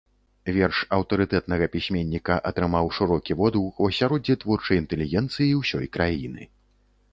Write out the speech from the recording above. Верш аўтарытэтнага пісьменніка атрымаў шырокі водгук у асяроддзі творчай інтэлігенцыі ўсёй краіны.